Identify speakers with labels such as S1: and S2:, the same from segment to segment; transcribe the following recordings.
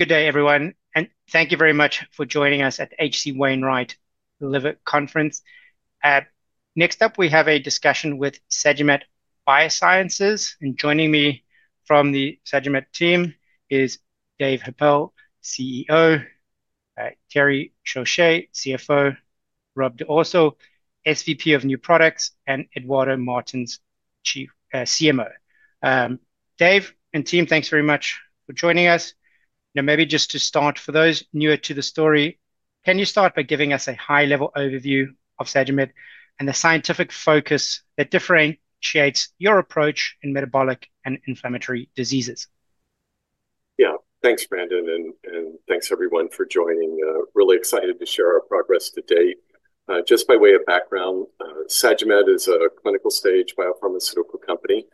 S1: Good day, everyone, and thank you very much for joining us at the H.C. Wainwright Liver Conference. Next up, we have a discussion with Sagimet Biosciences, and joining me from the Sagimet team is Dave Happel, CEO, Thierry Chauche, CFO, Rob D’Urso, SVP of New Products, and Eduardo Martins, CMO. Dave and team, thanks very much for joining us. Now, maybe just to start, for those newer to the story, can you start by giving us a high-level overview of Sagimet and the scientific focus that differentiates your approach in metabolic and inflammatory diseases?
S2: Yeah, thanks, Brandon, and thanks everyone for joining. Really excited to share our progress today. Just by way of background, Sagimet is a clinical-stage biopharmaceutical company.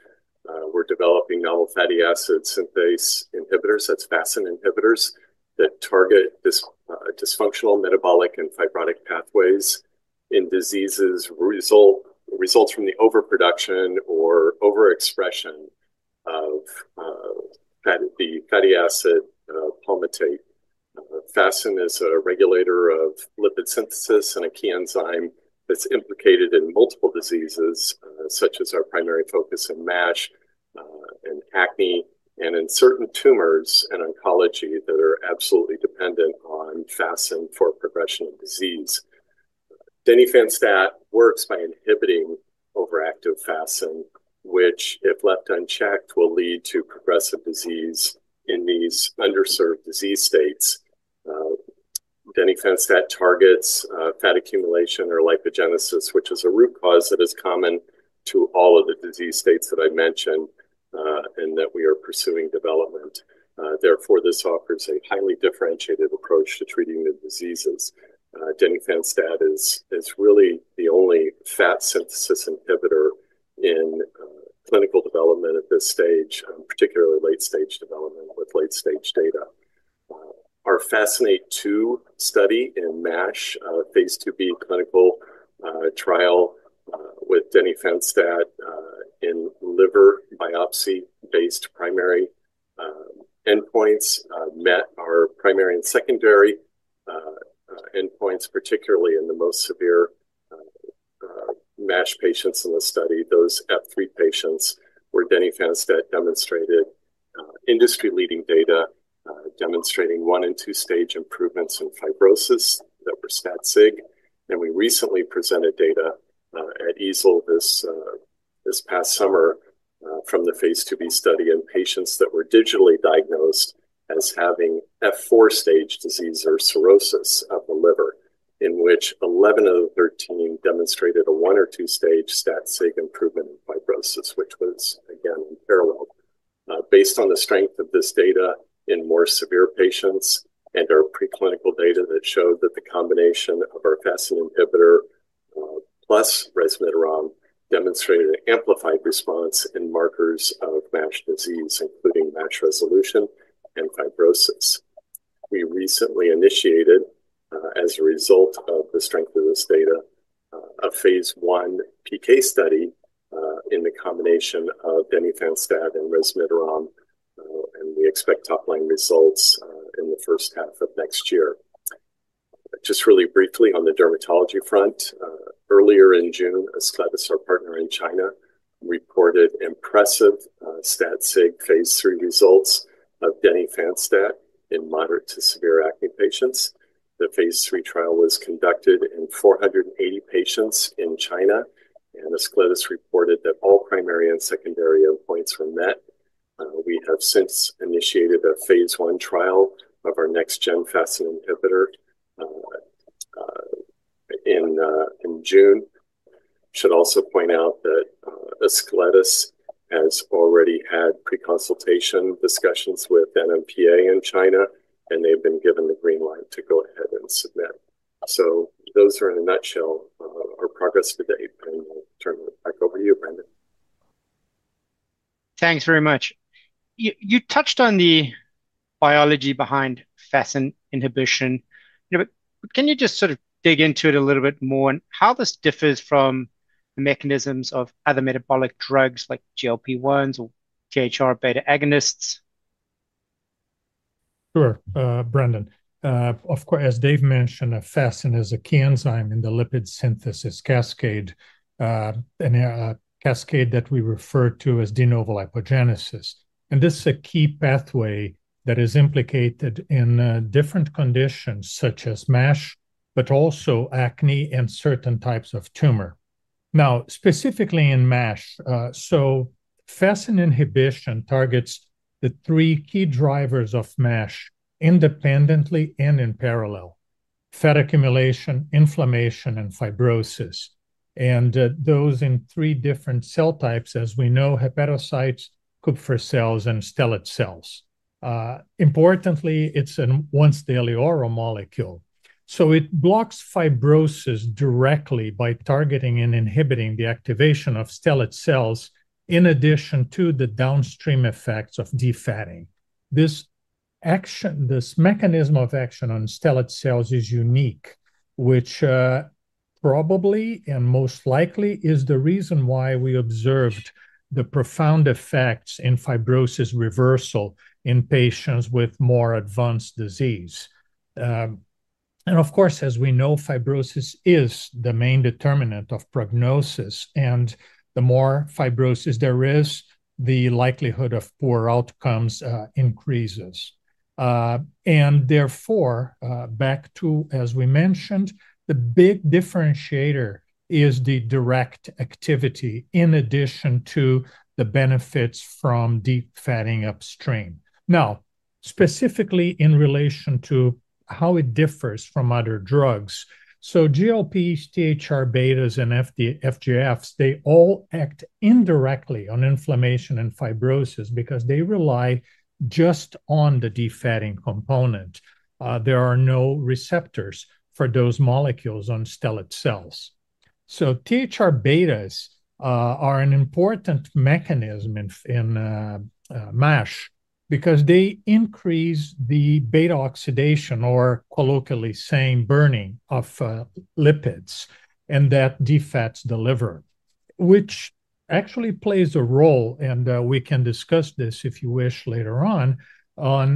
S2: We're developing novel fatty acid synthase inhibitors, that's FASN inhibitors, that target dysfunctional metabolic and fibrotic pathways in diseases resulting from the overproduction or overexpression of the fatty acid palmitate. FASN is a regulator of lipid synthesis and a key enzyme that's implicated in multiple diseases, such as our primary focus in MASH and acne and in certain tumors and oncology that are absolutely dependent on FASN for progression of disease. Denifanstat works by inhibiting overactive FASN, which, if left unchecked, will lead to progressive disease in these underserved disease states. Denifanstat targets fat accumulation or lipogenesis, which is a root cause that is common to all of the disease states that I mentioned and that we are pursuing development. Therefore, this offers a highly differentiated approach to treating the diseases. Denifanstat is really the only fat synthesis inhibitor in clinical development at this stage, particularly late-stage development with late-stage data. Our FASCINATE-2 study in MASH, phase II-B clinical trial with denifanstat in liver biopsy-based primary endpoints, met our primary and secondary endpoints, particularly in the most severe MASH patients in the study. Those F3 patients where denifanstat demonstrated industry-leading data demonstrating one and two-stage improvements in fibrosis that were statistically significant. We recently presented data at EASL this past summer from the phase II-B study in patients that were digitally diagnosed as having F4 stage disease or cirrhosis of the liver, in which 11 of the 13 demonstrated a one or two-stage statistically significant improvement in fibrosis, which was again parallel. Based on the strength of this data in more severe patients and our preclinical data that showed that the combination of our FASN inhibitor plus resmetirom demonstrated an amplified response in markers of MASH disease, including MASH resolution and fibrosis, we recently initiated, as a result of the strength of this data, a phase I PK study in the combination of denifanstat and resmetirom, and we expect top-line results in the first half of next year. Just really briefly on the dermatology front, earlier in June, Ascletis our partner in China reported impressive statistically significant phase III results of denifanstat in moderate to severe acne patients. The phase III trial was conducted in 480 patients in China, and Ascletis reported that all primary and secondary endpoints were met. We have since initiated a phase I trial of our next-gen FASN inhibitor in June. I should also point out that Ascletis has already had pre-consultation discussions with NMPA in China, and they've been given the green light to go ahead and submit. Those are in a nutshell our progress today, and I'll turn it back over to you, Brandon. Thanks very much. You touched on the biology behind FASN inhibition. Can you just sort of dig into it a little bit more and how this differs from the mechanisms of other metabolic drugs like GLP-1s or THR-β agonists?
S3: Sure, Brandon. Of course, as Dave mentioned, FASN is a key enzyme in the lipid synthesis cascade, a cascade that we refer to as de novo lipogenesis. This is a key pathway that is implicated in different conditions such as MASH, but also acne and certain types of tumor. Now, specifically in MASH, FASN inhibition targets the three key drivers of MASH independently and in parallel: fat accumulation, inflammation, and fibrosis, and those in three different cell types, as we know, hepatocytes, Kupffer cells, and stellate cells. Importantly, it's a once-daily oral molecule. It blocks fibrosis directly by targeting and inhibiting the activation of stellate cells in addition to the downstream effects of defatting. This mechanism of action on stellate cells is unique, which probably and most likely is the reason why we observed the profound effects in fibrosis reversal in patients with more advanced disease. As we know, fibrosis is the main determinant of prognosis, and the more fibrosis there is, the likelihood of poor outcomes increases. Therefore, back to, as we mentioned, the big differentiator is the direct activity in addition to the benefits from defatting upstream. Now, specifically in relation to how it differs from other drugs, GLP, THR-β, and FGFs all act indirectly on inflammation and fibrosis because they rely just on the defatting component. There are no receptors for those molecules on stellate cells. THR-β are an important mechanism in MASH because they increase the beta oxidation, or colloquially saying burning, of lipids and that defats the liver, which actually plays a role, and we can discuss this if you wish later on, on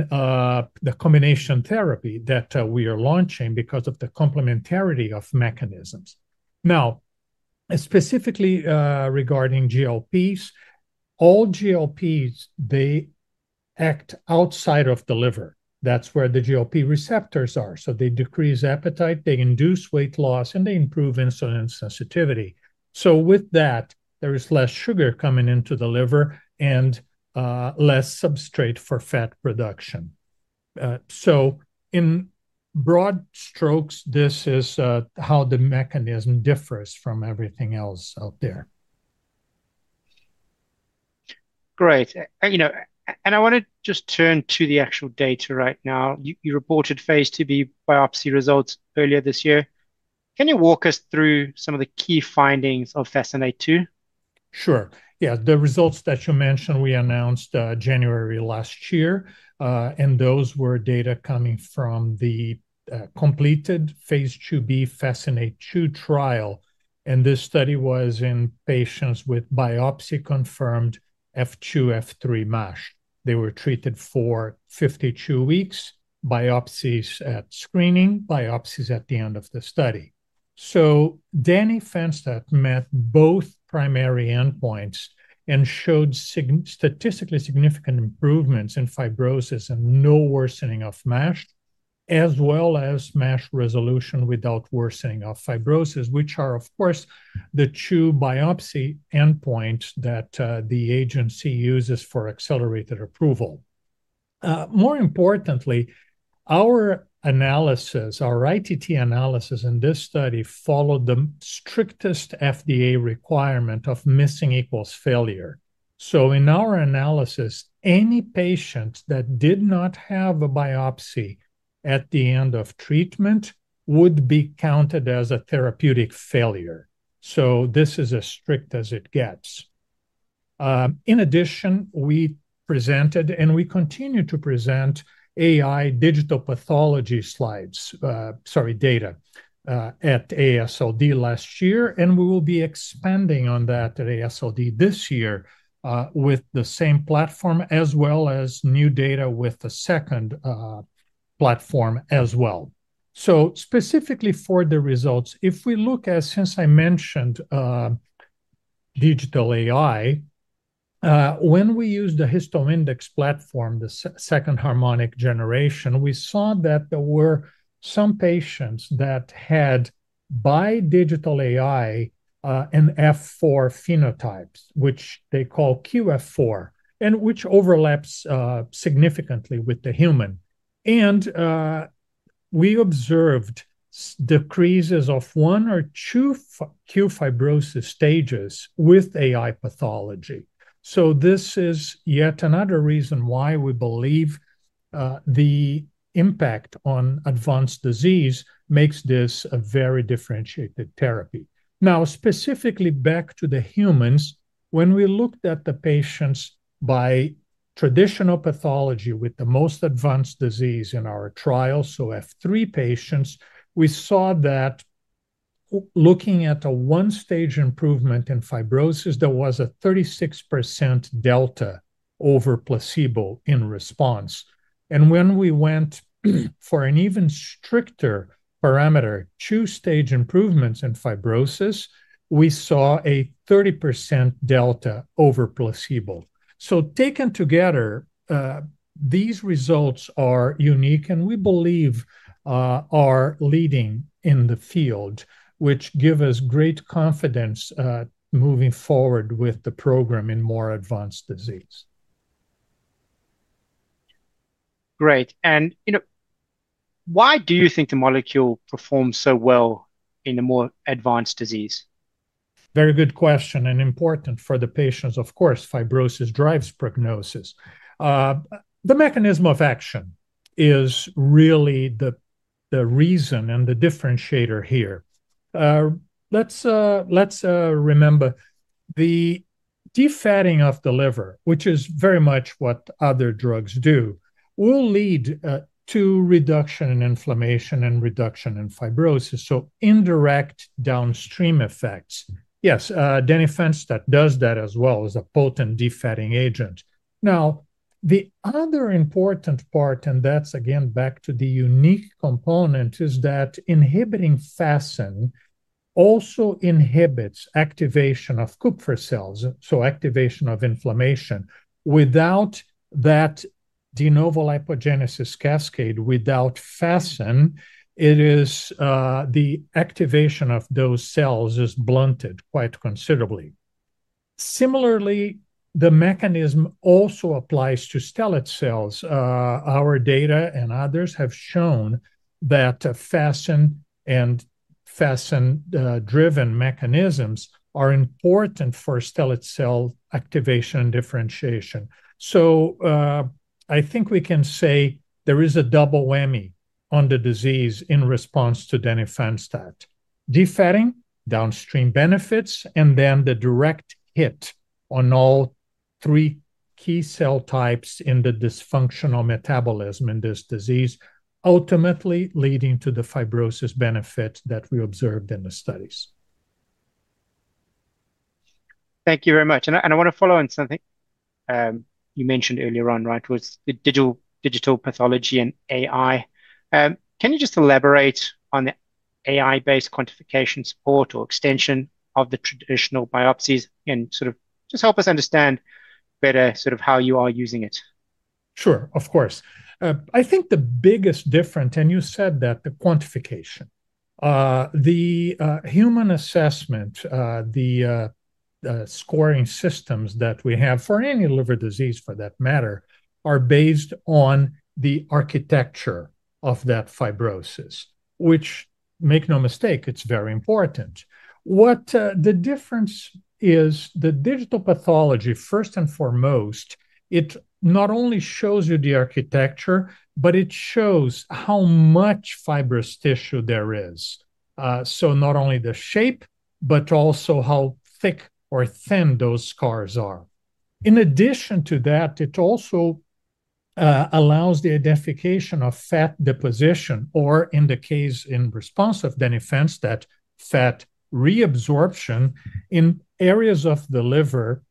S3: the combination therapy that we are launching because of the complementarity of mechanisms. Now, specifically regarding GLPs, all GLPs act outside of the liver. That's where the GLP receptors are. They decrease appetite, they induce weight loss, and they improve insulin sensitivity. With that, there is less sugar coming into the liver and less substrate for fat production. In broad strokes, this is how the mechanism differs from everything else out there. Great. I want to just turn to the actual data right now. You reported phase II-B biopsy results earlier this year. Can you walk us through some of the key findings of FASCINATE-2? Sure. Yeah, the results that you mentioned, we announced January last year, and those were data coming from the completed phase II-B FASCINATE-2 trial. This study was in patients with biopsy-confirmed F2, F3 MASH. They were treated for 52 weeks, biopsies at screening, biopsies at the end of the study. So denifanstat met both primary endpoints and showed statistically significant improvements in fibrosis and no worsening of MASH, as well as MASH resolution without worsening of fibrosis, which are, of course, the two biopsy endpoints that the agency uses for accelerated approval. More importantly, our analysis, our ITT analysis in this study followed the strictest FDA requirement of missing equals failure. In our analysis, any patient that did not have a biopsy at the end of treatment would be counted as a therapeutic failure. This is as strict as it gets. In addition, we presented and we continue to present AI-based digital pathology data at AASLD last year, and we will be expanding on that at AASLD this year with the same platform, as well as new data with the second platform as well. Specifically for the results, if we look at, since I mentioned digital AI, when we used the HistoIndex platform, the second harmonic generation, we saw that there were some patients that had, by digital AI, an F4 phenotype, which they call qF4, and which overlaps significantly with the human. We observed decreases of one or two Q fibrosis stages with AI pathology. This is yet another reason why we believe the impact on advanced disease makes this a very differentiated therapy. Now, specifically back to the humans, when we looked at the patients by traditional pathology with the most advanced disease in our trial, so F3 patients, we saw that looking at a one-stage improvement in fibrosis, there was a 36% delta over placebo in response. When we went for an even stricter parameter, two-stage improvements in fibrosis, we saw a 30% delta over placebo. Taken together, these results are unique and we believe are leading in the field, which gives us great confidence moving forward with the program in more advanced disease. Great. Why do you think the molecule performs so well in the more advanced disease? Very good question and important for the patients. Of course, fibrosis drives prognosis. The mechanism of action is really the reason and the differentiator here. Let's remember the defatting of the liver, which is very much what other drugs do, will lead to reduction in inflammation and reduction in fibrosis, so indirect downstream effects. Yes, denifanstat does that as well as a potent defatting agent. Now, the other important part, and that's again back to the unique component, is that inhibiting FASN also inhibits activation of Kupffer cells, so activation of inflammation. Without that de novo lipogenesis cascade, without FASN, the activation of those cells is blunted quite considerably. Similarly, the mechanism also applies to stellate cells. Our data and others have shown that FASN and FASN-driven mechanisms are important for stellate cell activation and differentiation. I think we can say there is a double whammy on the disease in response to denifanstat. Defatting, downstream benefits, and then the direct hit on all three key cell types in the dysfunctional metabolism in this disease, ultimately leading to the fibrosis benefit that we observed in the studies. Thank you very much. I want to follow on something you mentioned earlier, right, which was the digital pathology and AI. Can you just elaborate on the AI-based quantification support or extension of the traditional biopsies and help us understand better how you are using it? Sure, of course. I think the biggest difference, and you said that, the quantification. The human assessment, the scoring systems that we have for any liver disease, for that matter, are based on the architecture of that fibrosis, which, make no mistake, it's very important. What the difference is, the digital pathology, first and foremost, it not only shows you the architecture, but it shows how much fibrous tissue there is. Not only the shape, but also how thick or thin those scars are. In addition to that, it also allows the identification of fat deposition, or in the case in response of denifanstat, fat reabsorption in areas of the liver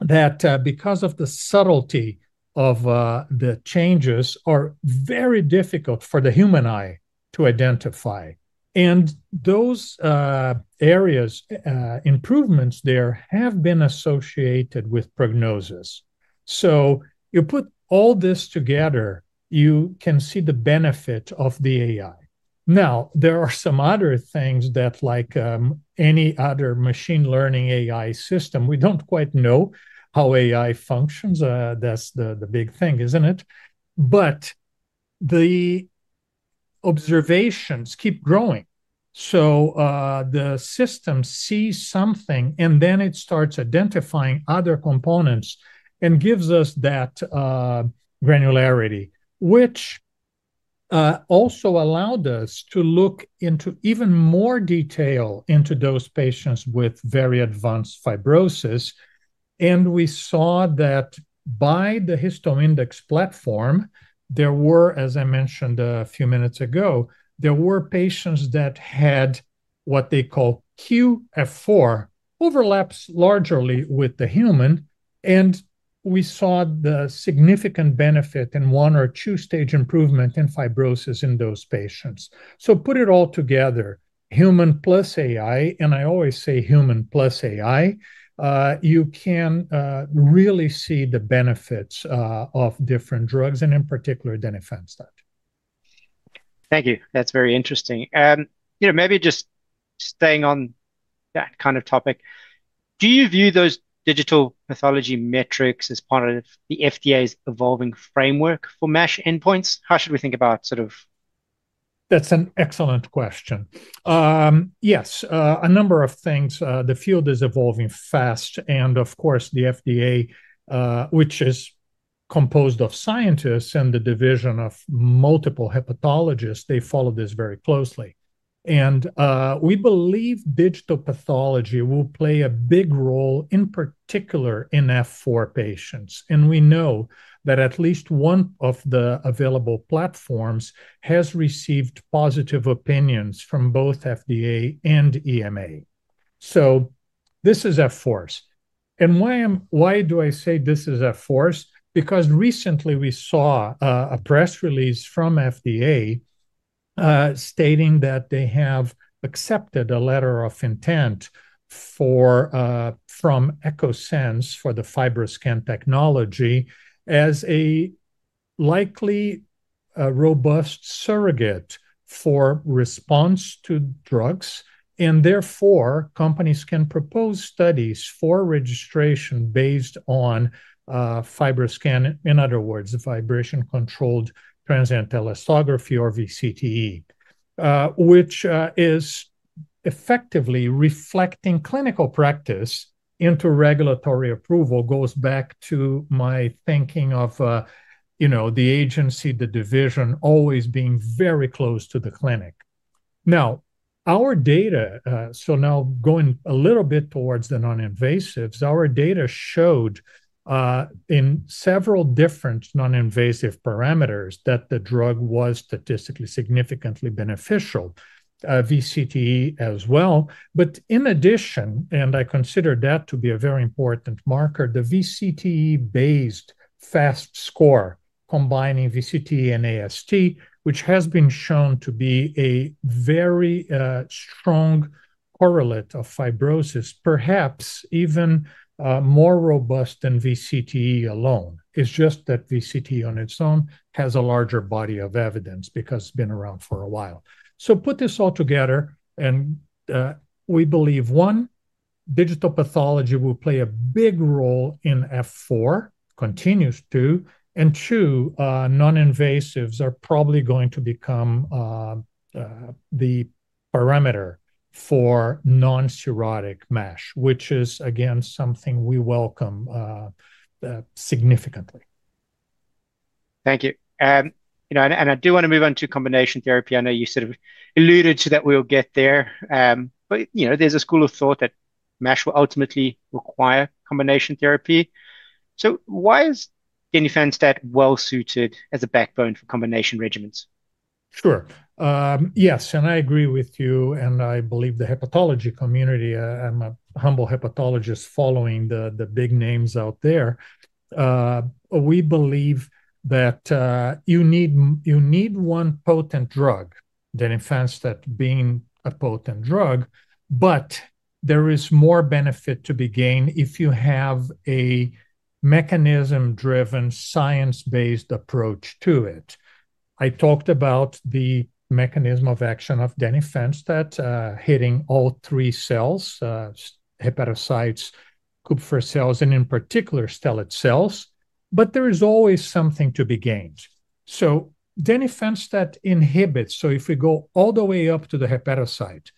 S3: that, because of the subtlety of the changes, are very difficult for the human eye to identify. Those areas, improvements there, have been associated with prognosis. You put all this together, you can see the benefit of the AI. There are some other things that, like any other machine learning AI system, we don't quite know how AI functions. That's the big thing, isn't it? The observations keep growing. The system sees something, and then it starts identifying other components and gives us that granularity, which also allowed us to look into even more detail into those patients with very advanced fibrosis. We saw that by the HistoIndex platform, there were, as I mentioned a few minutes ago, there were patients that had what they call qF4, overlaps largely with the human, and we saw the significant benefit in one or two-stage improvement in fibrosis in those patients. Put it all together, human plus AI, and I always say human plus AI, you can really see the benefits of different drugs, and in particular, denifanstat. Thank you. That's very interesting. Maybe just staying on that kind of topic, do you view those digital pathology metrics as part of the FDA's evolving framework for MASH endpoints? How should we think about sort of. That's an excellent question. Yes, a number of things. The field is evolving fast, and of course, the FDA, which is composed of scientists and the division of multiple hepatologists, they follow this very closely. We believe digital pathology will play a big role, in particular in F4 patients. We know that at least one of the available platforms has received positive opinions from both FDA and EMA. This is a force. Why do I say this is a force? Recently we saw a press release from FDA stating that they have accepted a letter of intent from Echosens for the FibroScan technology as a likely robust surrogate for response to drugs, and therefore companies can propose studies for registration based on FibroScan, in other words, the vibration-controlled transient elastography or VCTE, which is effectively reflecting clinical practice into regulatory approval. This goes back to my thinking of the agency, the division always being very close to the clinic. Now, our data, going a little bit towards the non-invasives, showed in several different non-invasive parameters that the drug was statistically significantly beneficial, VCTE as well. In addition, and I consider that to be a very important marker, the VCTE-based FAST score, combining VCTE and AST, has been shown to be a very strong correlate of fibrosis, perhaps even more robust than VCTE alone. It's just that VCTE on its own has a larger body of evidence because it's been around for a while. Put this all together, and we believe, one, digital pathology will play a big role in F4, continues to, and two, non-invasives are probably going to become the parameter for non-cirrhotic MASH, which is again something we welcome significantly. Thank you. I do want to move on to combination therapy. I know you sort of alluded to that, we'll get there, but there's a school of thought that MASH will ultimately require combination therapy. Why is denifanstat well suited as a backbone for combination regimens? Sure. Yes, and I agree with you, and I believe the hepatology community, I'm a humble hepatologist following the big names out there, we believe that you need one potent drug, denifanstat being a potent drug, but there is more benefit to be gained if you have a mechanism-driven, science-based approach to it. I talked about the mechanism of action of denifanstat hitting all three cells, hepatocytes, Kupffer cells, and in particular stellate cells, but there is always something to be gained. Denifanstat inhibits, so if we go all the way up to the hepatocyte,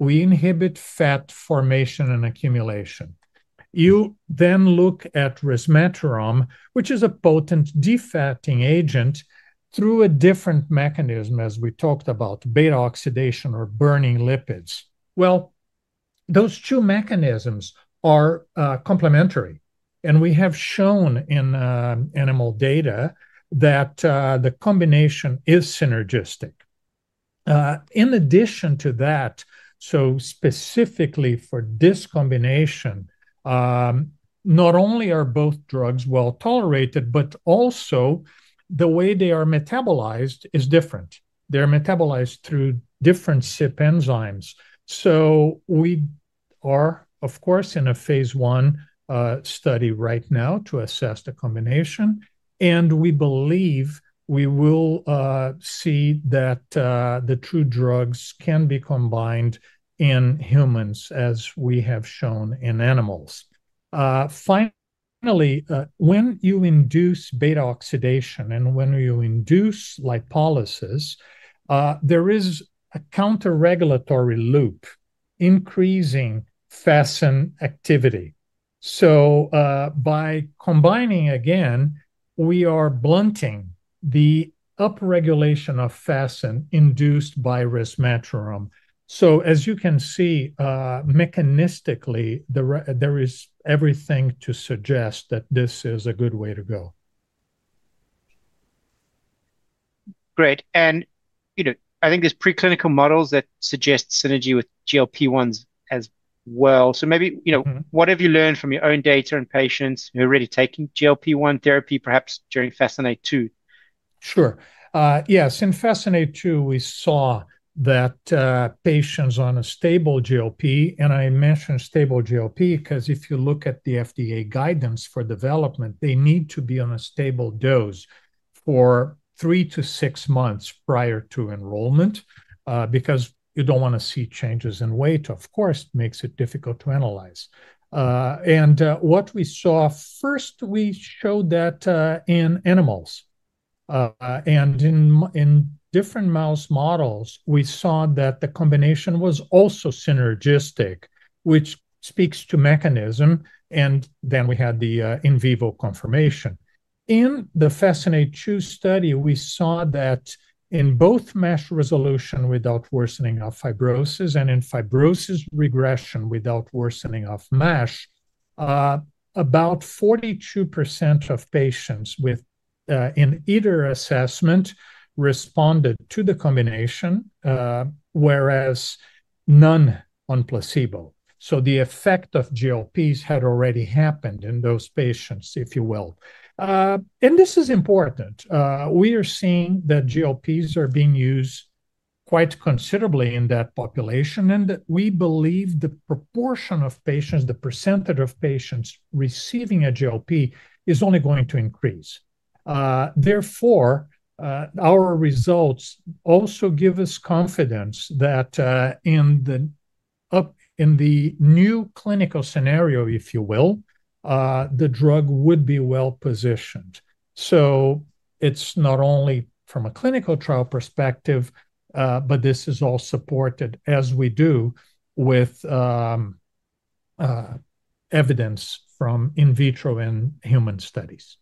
S3: we inhibit fat formation and accumulation. You then look at resmetirom, which is a potent defatting agent through a different mechanism, as we talked about, beta oxidation or burning lipids. Those two mechanisms are complementary, and we have shown in animal data that the combination is synergistic. In addition to that, specifically for this combination, not only are both drugs well tolerated, but also the way they are metabolized is different. They're metabolized through different CYP enzymes. We are, of course, in a phase I study right now to assess the combination, and we believe we will see that the two drugs can be combined in humans, as we have shown in animals. Finally, when you induce beta oxidation and when you induce lipolysis, there is a counter-regulatory loop increasing FASN activity. By combining again, we are blunting the upregulation of FASN induced by resmetirom. As you can see, mechanistically, there is everything to suggest that this is a good way to go. Great. I think there's preclinical models that suggest synergy with GLP-1 as well. Maybe, you know, what have you learned from your own data and patients who are already taking GLP-1 therapy, perhaps during FASCINATE-2? Sure. Yes, in FASCINATE-2, we saw that patients on a stable GLP, and I mentioned stable GLP because if you look at the FDA guidance for development, they need to be on a stable dose for three to six months prior to enrollment because you don't want to see changes in weight. Of course, it makes it difficult to analyze. What we saw first, we showed that in animals. In different mouse models, we saw that the combination was also synergistic, which speaks to mechanism. We had the in vivo confirmation. In the FASCINATE-2 study, we saw that in both MASH resolution without worsening of fibrosis and in fibrosis regression without worsening of MASH, about 42% of patients with either assessment responded to the combination, whereas none on placebo. The effect of GLPs had already happened in those patients, if you will. This is important. We are seeing that GLPs are being used quite considerably in that population, and we believe the proportion of patients, the percentage of patients receiving a GLP, is only going to increase. Therefore, our results also give us confidence that in the new clinical scenario, if you will, the drug would be well positioned. It's not only from a clinical trial perspective, but this is all supported, as we do, with evidence from in vitro and human studies.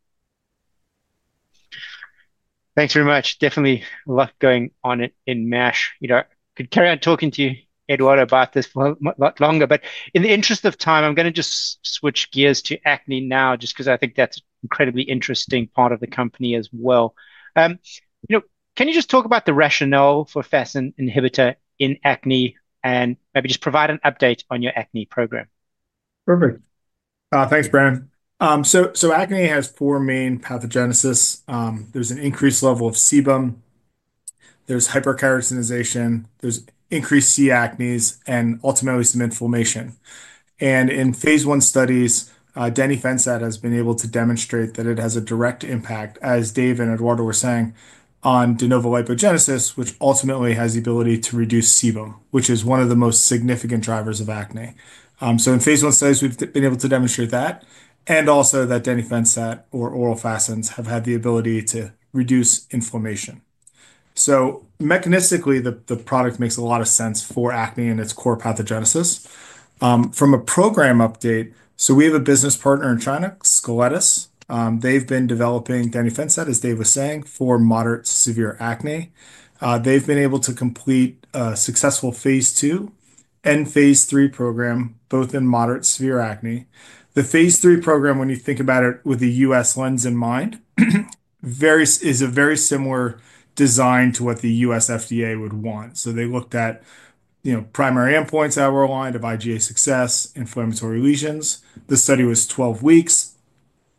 S3: Thanks very much. Definitely a lot going on in MASH. I could carry on talking to you, Eduardo, about this for a lot longer, but in the interest of time, I'm going to just switch gears to acne now just because I think that's an incredibly interesting part of the company as well. Can you just talk about the rationale for FASN inhibitor in acne and maybe just provide an update on your acne program?
S4: Perfect. Thanks, Brandon. Acne has four main pathogenesis. There's an increased level of sebum, hyperkeratinization, increased C. acnes, and ultimately some inflammation. In phase I studies, denifanstat has been able to demonstrate that it has a direct impact, as Dave and Eduardo were saying, on de novo lipogenesis, which ultimately has the ability to reduce sebum, which is one of the most significant drivers of acne. In phase I studies, we've been able to demonstrate that and also that denifanstat or oral FASN have had the ability to reduce inflammation. Mechanistically, the product makes a lot of sense for acne and its core pathogenesis. From a program update, we have a business partner in China, Ascletis. They've been developing denifanstat, as Dave was saying, for moderate to severe acne. They've been able to complete a successful phase II and phase III program, both in moderate to severe acne. The phase III program, when you think about it with the U.S. lens in mind, is a very similar design to what the U.S. FDA would want. They looked at primary endpoints that were aligned of IGA success, inflammatory lesions. The study was 12 weeks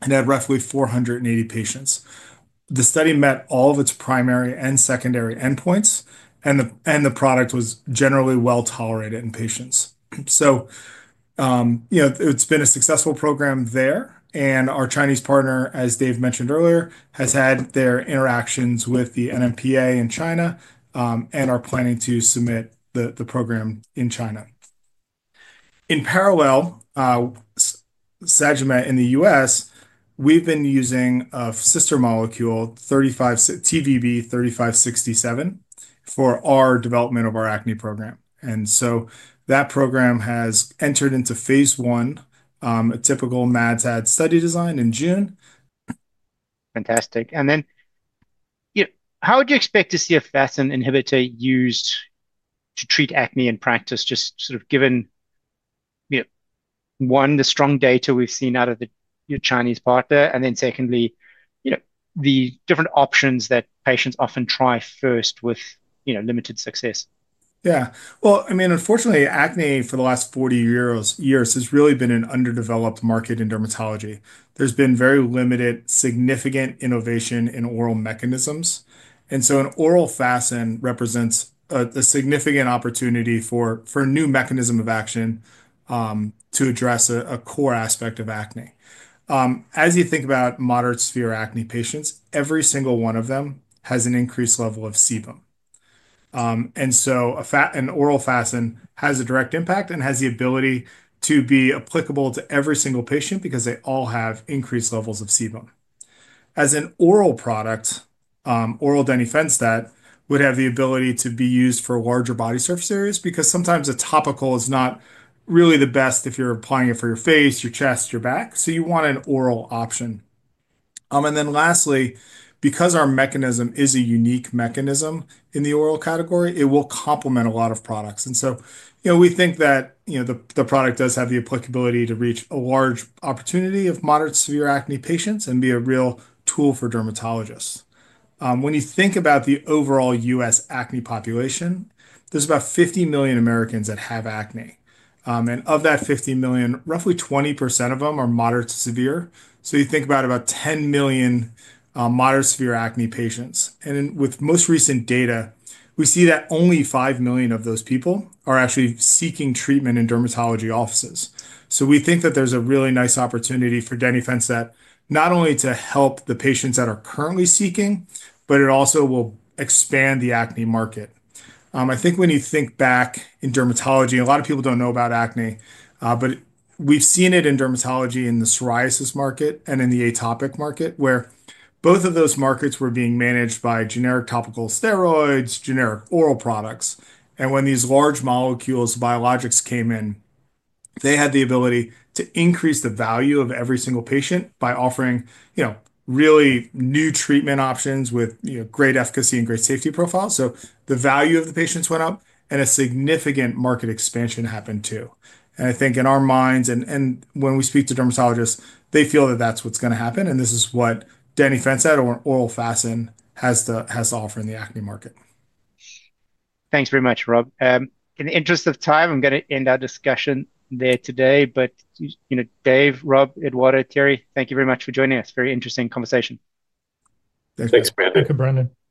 S4: and had roughly 480 patients. The study met all of its primary and secondary endpoints, and the product was generally well tolerated in patients. It's been a successful program there, and our Chinese partner, as Dave mentioned earlier, has had their interactions with the NMPA in China and are planning to submit the program in China. In parallel, Sagimet in the U.S., we've been using a sister molecule, TVB-3567, for our development of our acne program. That program has entered into phase I, a typical MAD/TAD study design in June. Fantastic. How would you expect to see a FASN inhibitor used to treat acne in practice, just given, one, the strong data we've seen out of the Chinese partner, and then secondly, the different options that patients often try first with limited success? Yeah. Unfortunately, acne for the last 40 years has really been an underdeveloped market in dermatology. There's been very limited significant innovation in oral mechanisms. An oral FASN represents a significant opportunity for a new mechanism of action to address a core aspect of acne. As you think about moderate to severe acne patients, every single one of them has an increased level of sebum. An oral FASN has a direct impact and has the ability to be applicable to every single patient because they all have increased levels of sebum. As an oral product, oral denifanstat would have the ability to be used for larger body surface areas because sometimes a topical is not really the best if you're applying it for your face, your chest, your back. You want an oral option. Lastly, because our mechanism is a unique mechanism in the oral category, it will complement a lot of products. We think that the product does have the applicability to reach a large opportunity of moderate to severe acne patients and be a real tool for dermatologists. When you think about the overall U.S. acne population, there's about 50 million Americans that have acne. Of that 50 million, roughly 20% of them are moderate to severe. You think about about 10 million moderate to severe acne patients. With most recent data, we see that only 5 million of those people are actually seeking treatment in dermatology offices. We think that there's a really nice opportunity for denifanstat, not only to help the patients that are currently seeking, but it also will expand the acne market. I think when you think back in dermatology, and a lot of people don't know about acne, but we've seen it in dermatology in the psoriasis market and in the atopic market, where both of those markets were being managed by generic topical steroids, generic oral products. When these large molecule biologics came in, they had the ability to increase the value of every single patient by offering really new treatment options with great efficacy and great safety profiles. The value of the patients went up, and a significant market expansion happened too. I think in our minds, and when we speak to dermatologists, they feel that that's what's going to happen, and this is what denifanstat or an oral FASN has to offer in the acne market. Thanks very much, Rob. In the interest of time, I'm going to end our discussion there today. You know, Dave, Rob, Eduardo, Thierry, thank you very much for joining us. Very interesting conversation.
S2: Thanks, Brandon.
S3: Thank you, Brandon.
S2: All right.